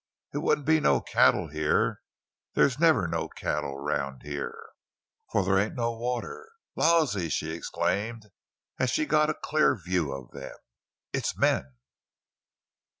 It wouldn't be no cattle, heah; they's never no cattle round heah, fo' they ain't no water. Lawsey!" she exclaimed, as she got a clear view of them; "it's men!"